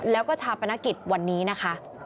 แล้วก็ชาปนกิจวันนี้นะคะ